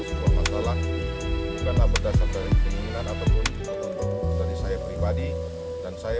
sebuah masalah karena berdasarkan keinginan ataupun kebutuhan dari saya pribadi dan saya